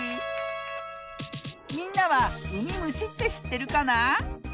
みんなはうみむしってしってるかな？